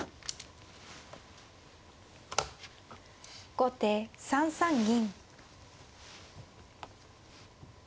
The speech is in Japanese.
後手３三銀。